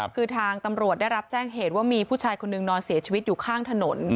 คือทางตำรวจได้รับแจ้งเหตุว่ามีผู้ชายคนนึงนอนเสียชีวิตอยู่ข้างถนน